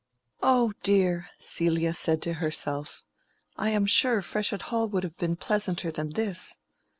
"Oh dear!" Celia said to herself, "I am sure Freshitt Hall would have been pleasanter than this."